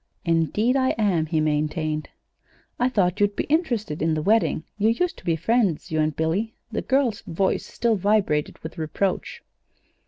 "Indeed I am," he maintained. "I thought you'd be interested in the wedding. You used to be friends you and Billy." The girl's voice still vibrated with reproach.